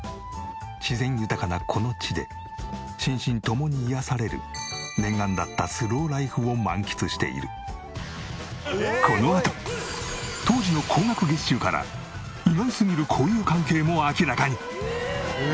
自然豊かなこの地で心身共に癒やされる念願だったこのあと当時の高額月収から意外すぎる交友関係も明らかに！